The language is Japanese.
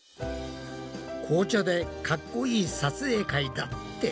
紅茶でかっこいい撮影会だって？